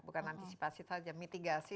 bukan diantisipasi saja mitigasi